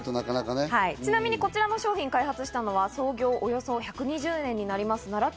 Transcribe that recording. ちなみに、こちらの商品を開発したのは、創業およそ１２０年になります